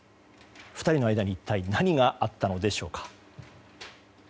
２人の間に一体何があったのでしょうか。